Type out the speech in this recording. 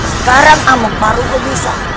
sekarang amuk marugul bisa